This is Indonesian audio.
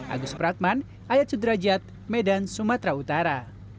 agus pratman ayat sudrajat medan sumatera utara